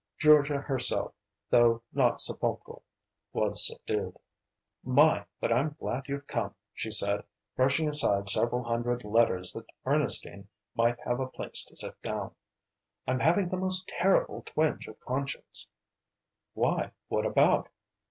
Georgia herself, though not sepulchral, was subdued. "My, but I'm glad you've come," she said, brushing aside several hundred letters that Ernestine might have a place to sit down. "I'm having the most terrible twinge of conscience." "Why, what about?"